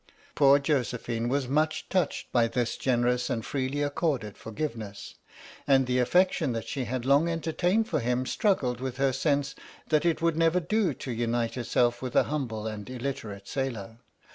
Poor Josephine was much touched by this gener ous and freely accorded forgiveness, and the affec tion that she had long entertained for him struggled with her sense that it would never do to unite her self with a humble and illiterate sailor.